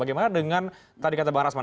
bagaimana dengan tadi kata bang rasman